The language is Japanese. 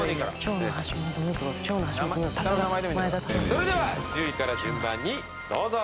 それでは１０位から順番にどうぞ！